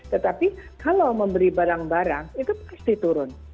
tetapi kalau memberi barang barang itu pasti turun